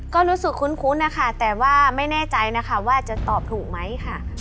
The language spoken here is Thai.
ก็รู้สึกคุ้นนะคะแต่ว่าไม่แน่ใจนะคะว่าจะตอบถูกไหมค่ะ